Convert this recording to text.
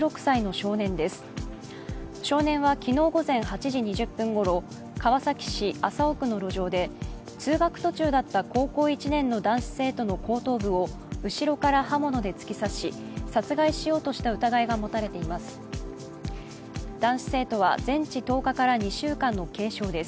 少年は、昨日午前８時２０分ごろ川崎市麻生区の路上で通学途中だった高校１年の男子生徒の後頭部を後ろから刃物で突き刺し殺害しようとした疑いが持たれています。